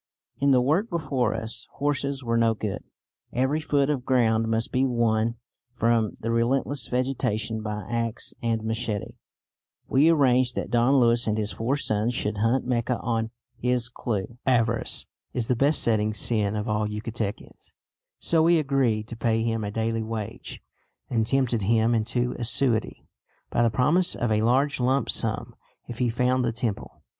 In the work before us horses were no good; every foot of ground must be won from the relentless vegetation by axe and machete. We arranged that Don Luis and his four sons should hunt Mecca on his clue. Avarice is the besetting sin of all Yucatecans, so we agreed to pay him a daily wage, and tempted him into assiduity by the promise of a large lump sum if he found the temple.